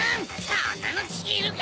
そんなのしるか！